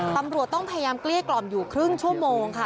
ตำรวจต้องพยายามเกลี้ยกล่อมอยู่ครึ่งชั่วโมงค่ะ